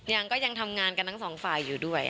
ยังก็ยังทำงานกันทั้งสองฝ่ายอยู่ด้วย